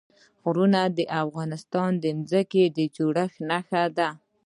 غرونه د افغانستان د ځمکې د جوړښت نښه ده.